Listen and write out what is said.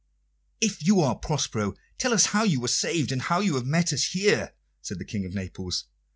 "If you are Prospero, tell us how you were saved, and how you have met us here," said the King of Naples.